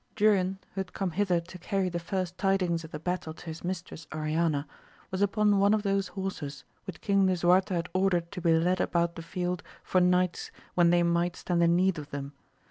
Durin, who had come hither to carry the first tidings of the battle to his mistress Oriana, was upon one of those horses which King Lisuarte had ordered to be led about the field for knights when they might stand in need of them.